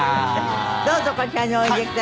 どうぞこちらにおいでください。